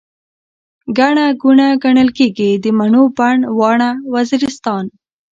ګڼه ګوڼه، ګڼل کيږي، د مڼو بڼ، واڼه وزيرستان